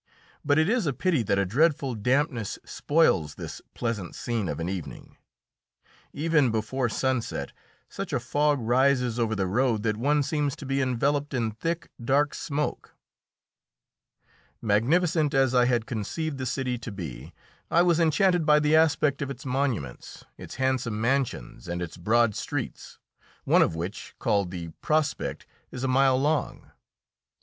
But it is a pity that a dreadful dampness spoils this pleasant scene of an evening; even before sunset such a fog rises over the road that one seems to be enveloped in thick, dark smoke. Magnificent as I had conceived the city to be, I was enchanted by the aspect of its monuments, its handsome mansions, and its broad streets, one of which, called the Prospekt, is a mile long.